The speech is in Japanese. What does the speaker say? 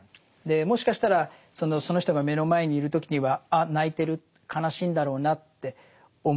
もしかしたらその人が目の前にいる時にはあ泣いてる悲しいんだろうなって思う。